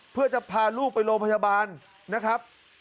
เพื่อจะพาลูกไปโรงพยาบาลนะครับ